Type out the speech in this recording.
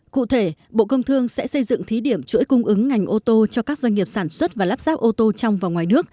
cụ thể bộ công thương sẽ xây dựng thí điểm chuỗi cung ứng ngành ô tô cho các doanh nghiệp sản xuất và lắp ráp ô tô trong và ngoài nước